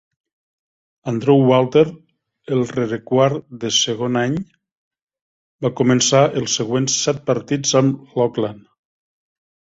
Andrew Walter, el rerequart de segon any, va començar els següents set partits amb Oakland.